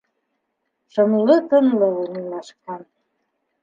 Шомло тынлыҡ урынлашҡан.